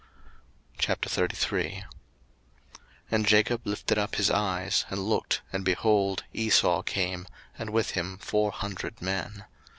01:033:001 And Jacob lifted up his eyes, and looked, and, behold, Esau came, and with him four hundred men.